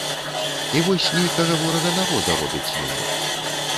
І вось нейкага ворага народа робяць з мяне.